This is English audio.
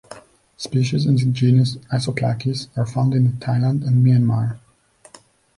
Species in the genus "Isopachys" are found in Thailand and Myanmar.